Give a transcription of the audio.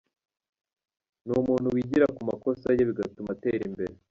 Ni umuntu wigira ku makosa ye bigatuma atera imbere.